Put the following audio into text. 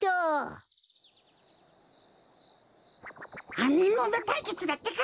あみものたいけつだってか！